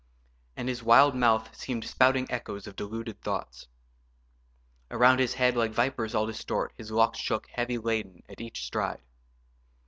And his wild mouth Seemed spouting echoes of deluded thoughts. Around his head, like vipers all distort, His locks shook, heavy laden, at each stride.